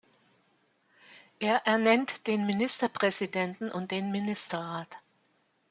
Er ernennt den Ministerpräsidenten und den Ministerrat.